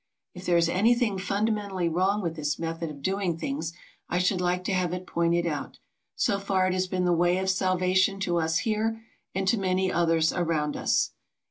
If there is anything fundamentally wrong with this method of doing things I should like to have it pointed out. So far it has been the way of salvation to us here and to many others around us.